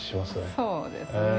そうですね。